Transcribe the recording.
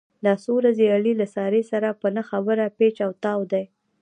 دا څو ورځې علي له سارې سره په نه خبره پېچ او تاو دی.